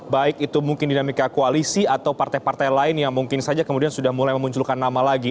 baik itu mungkin dinamika koalisi atau partai partai lain yang mungkin saja kemudian sudah mulai memunculkan nama lagi